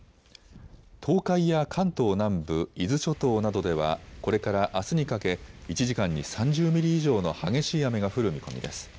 東海や関東南部、伊豆諸島などではこれからあすにかけ１時間に３０ミリ以上の激しい雨が降る見込みです。